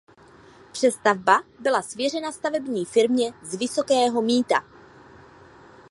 Přestavba byla svěřena stavební firmě z Vysokého Mýta.